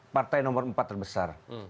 partai nomor empat terbesar